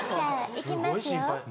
いきますよ。